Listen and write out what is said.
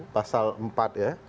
pasal empat ya